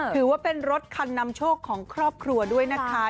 ถือว่าเป็นรถคันนำโชคของครอบครัวด้วยนะคะ